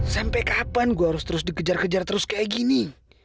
sampai kapan gue harus terus dikejar kejar terus kayak gini